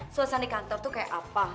suasana di kantor tuh kayak apa